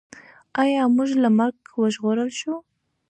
ایا موږ له مرګه وژغورل شوو؟